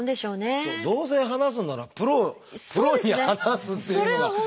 どうせ話すならプロに話すっていうのがね。